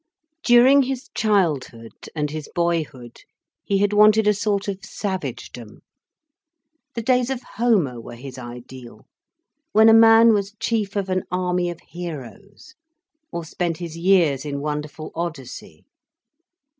During his childhood and his boyhood he had wanted a sort of savagedom. The days of Homer were his ideal, when a man was chief of an army of heroes, or spent his years in wonderful Odyssey.